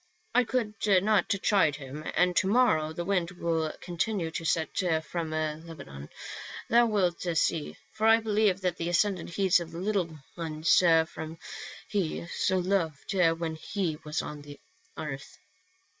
I could not chide him, and to morrow the wind will continue to set from Lebanon, thou wilt see ; for I believe that the Ascended heeds the little ones whom he so loved when he was on earth."